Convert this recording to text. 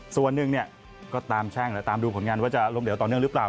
ส่วนหนึ่งเนี่ยก็ตามแช่งและตามดูผลงานว่าจะล้มเหลวต่อเนื่องหรือเปล่า